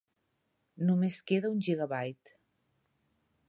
Només queda un gigabyte.